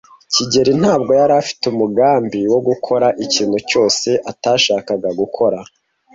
kigeli ntabwo yari afite umugambi wo gukora ikintu cyose atashakaga gukora.